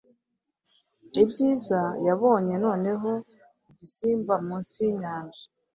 Ibyiza yabonye noneho igisimba munsi yinyanja